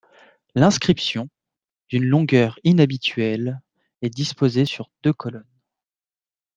L'inscription, d'une longueur inhabituelle, est disposée sur deux colonnes.